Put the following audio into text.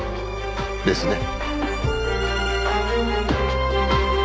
ですね。